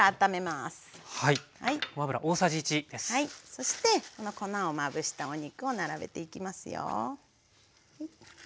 そしてこの粉をまぶしたお肉を並べていきますよ。